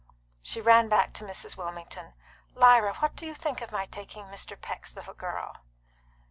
She ran back to Mrs. Wilmington. "Lyra, what do you think of my taking Mr. Peck's little girl?"